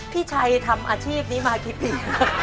พี่ชัยทำอาชีพนี้มากี่ปี